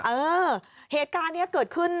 เออเหตุการณ์นี้เกิดขึ้น